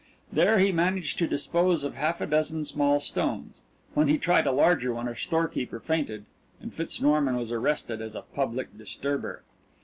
There he managed to dispose of half a dozen small stones when he tried a larger one a storekeeper fainted and Fitz Norman was arrested as a public disturber.